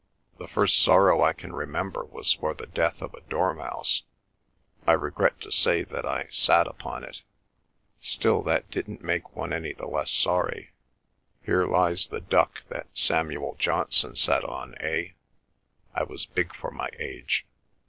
The first sorrow I can remember was for the death of a dormouse. I regret to say that I sat upon it. Still, that didn't make one any the less sorry. Here lies the duck that Samuel Johnson sat on, eh? I was big for my age."